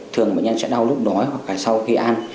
thường bệnh nhân sẽ đau lúc đói hoặc là sau khi ăn